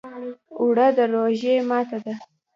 اوړه د روژې ماته ده